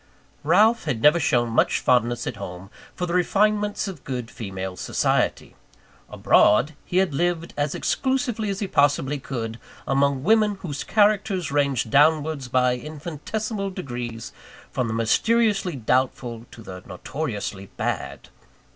Ralph had never shown much fondness at home, for the refinements of good female society. Abroad, he had lived as exclusively as he possibly could, among women whose characters ranged downwards by infinitesimal degrees, from the mysteriously doubtful to the notoriously bad.